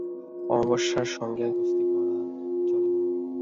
অমাবস্যার সঙ্গে কুস্তি করা চলে না।